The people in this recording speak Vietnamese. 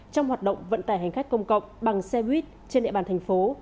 trong hoạt động vận tải hành khách công cộng bằng xe buýt trên địa bàn thành phố